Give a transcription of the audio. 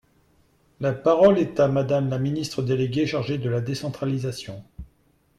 La parole est à Madame la ministre déléguée chargée de la décentralisation.